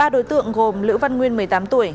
ba đối tượng gồm lữ văn nguyên một mươi tám tuổi